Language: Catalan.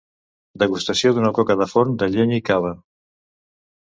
Degustació d'una coca de forn de llenya i cava.